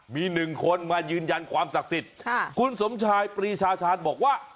มีหนึ่งคนมายืนยันความศักดิ์สิทธิ์คุณสมชายปรีชาชาญบอกว่า